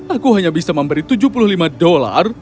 aku hanya bisa memberi tujuh puluh lima dolar